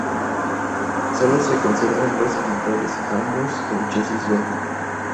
Solo se conservan dos ejemplares, ambos con chasis bajo.